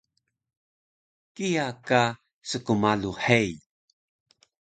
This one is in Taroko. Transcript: kiya ka skmalu hei